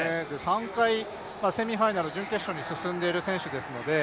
３回、セミファイナル、準決勝に進んでいる選手ですので。